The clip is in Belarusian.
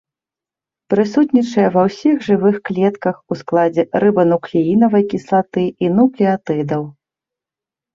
Прысутнічае ва ўсіх жывых клетках ў складзе рыбануклеінавай кіслаты і нуклеатыдаў.